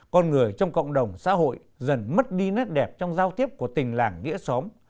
con người trong cộng đồng xã hội dần mất đi nét đẹp trong giao tiếp của tình làng nghĩa xóm